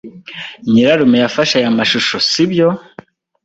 Nyirarume yafashe aya mashusho, sibyo?